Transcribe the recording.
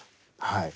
はい。